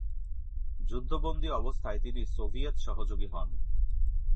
যুদ্ধবন্দী অবস্থায় তিনি সোভিয়েত সহযোগী হন।